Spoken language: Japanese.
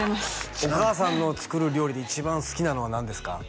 お母さんの作る料理で一番好きなのは何ですか？